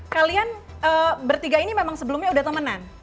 kalian bertiga ini memang sebelumnya udah temenan